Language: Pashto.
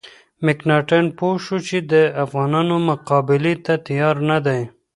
مکناتن پوه شو چې د افغانانو مقابلې ته تیار نه دی.